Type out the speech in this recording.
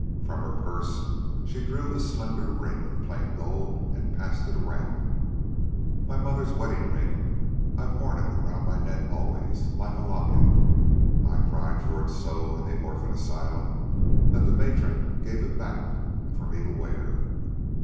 From her purse she drew a slender ring of plain gold and passed it around. "My mother's wedding ring. I've worn it around my neck always, like a locket. I cried for it so in the orphan asylum that the matron gave it back for me to wear.